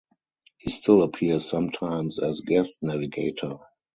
He still appears sometimes as guest "navigator".